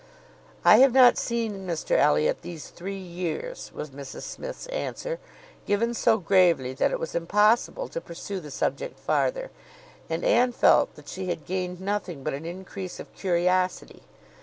"I have not seen Mr Elliot these three years," was Mrs Smith's answer, given so gravely that it was impossible to pursue the subject farther; and Anne felt that she had gained nothing but an increase of curiosity.